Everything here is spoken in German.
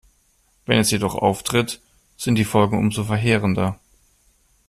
Wenn es jedoch auftritt, sind die Folgen umso verheerender.